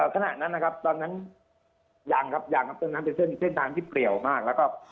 ขณะนั้นนะครับตอนนั้นยังครับเป็นเส้นทางที่เปรียวมาก